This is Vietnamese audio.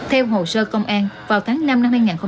theo hồ sơ công an vào tháng năm năm hai nghìn một mươi tám